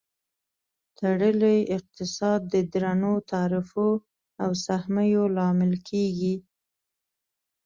تړلی اقتصاد د درنو تعرفو او سهمیو لامل کیږي.